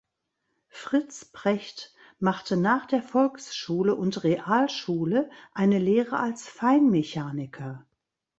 Fritz Precht machte nach der Volksschule und Realschule eine Lehre als Feinmechaniker.